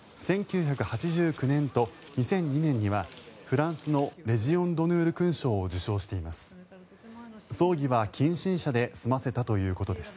１９８９年と２００２年にはフランスのレジオン・ドヌール勲章を受章しています。